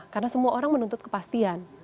karena semua orang menuntut kepastian